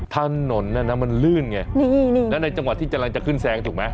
ถนนน่ะนะมันลื่นไงนี่แล้วในจังหวะที่กำลังจะขึ้นแซงถูกไหม